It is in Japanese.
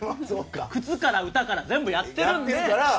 靴から歌から全部やってるんです。